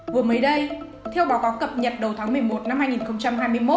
vừa mới đây theo báo cáo cập nhật đầu tháng một mươi một năm hai nghìn hai mươi một